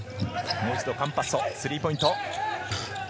もう一度カンパッソ、スリーポイント。